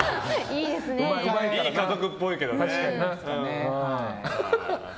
いい家族っぽいけど。